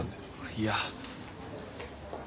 いや。